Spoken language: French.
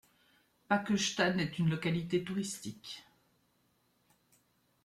Pakoštane est une localité touristique.